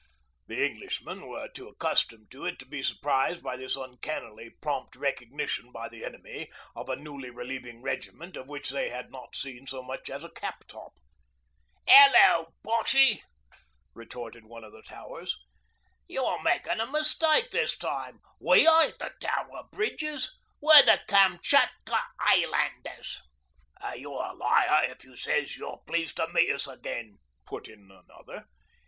The Englishmen were too accustomed to it to be surprised by this uncannily prompt recognition by the enemy of a newly relieving regiment of which they had not seen so much as a cap top. 'Hullo, Boshy,' retorted one of the Towers. 'You're makin' a mistake this time. We ain't the Tower Bridges. We're the Kamchatka 'Ighlanders.' 'An' you're a liar if you says you're pleased to meet us again,' put in another.